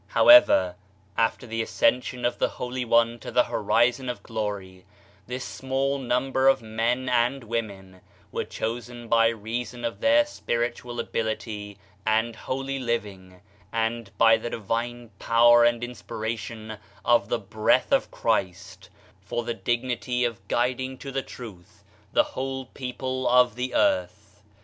However, after the ascension of the holy One to the horizon of glory, this small number of men and women were chosen by reason of their spiritual ability and holy living and by the divine power and inspira tion of the breath of Christ, for the dignity of guiding to die truth the whole people of the earth.